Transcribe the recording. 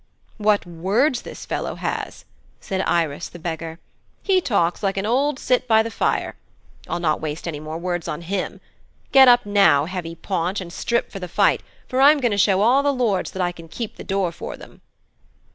'What words this fellow has!' said Irus the beggar. 'He talks like an old sit by the fire. I'll not waste more words on him. Get up now, heavy paunch, and strip for the fight, for I'm going to show all the lords that I can keep the door for them.'